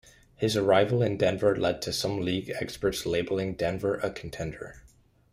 His arrival in Denver led to some league experts labeling Denver a contender.